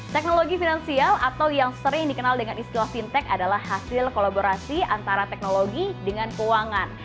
teknologi finansial atau yang sering dikenal dengan istilah fintech adalah hasil kolaborasi antara teknologi dengan keuangan